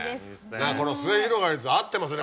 すゑひろがりず合ってますね。